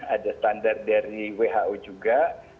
ada standar dari who juga